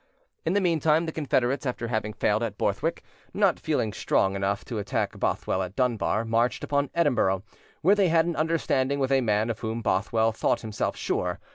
In the meantime the Confederates, after having failed at Borthwick, not feeling strong enough to attack Bothwell at Dunbar, marched upon Edinburgh, where they had an understanding with a man of whom Bothwell thought himself sure.